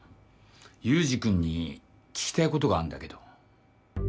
祐司君に聞きたいことがあるんだけど。